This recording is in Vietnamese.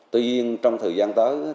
tuy nhiên trong thời gian tới